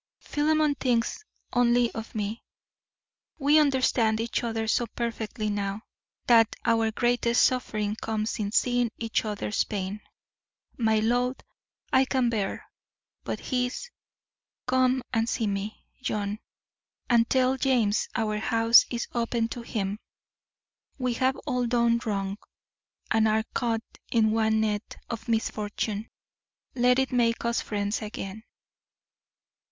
Philemon thinks only of me. We understand each other so perfectly now that our greatest suffering comes in seeing each other's pain. My load I can bear, but HIS Come and see me, John; and tell James our house is open to him. We have all done wrong, and are caught in one net of misfortune. Let it make us friends again.